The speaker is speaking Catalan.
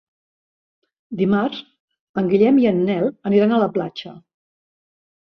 Dimarts en Guillem i en Nel aniran a la platja.